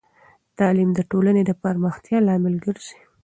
تعلیم د ټولنې د پراختیا لامل ګرځی.